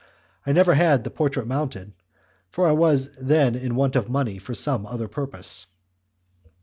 I never had the portrait mounted, for I was then in want of money for some other purpose.